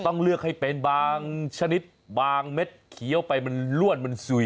ต้องเลือกให้เป็นบางชนิดบางเม็ดเคี้ยวไปมันลวดมันสุย